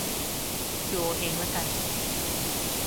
ดูเอาเองละกัน